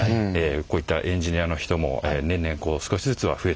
こういったエンジニアの人も年々少しずつは増えてきてます。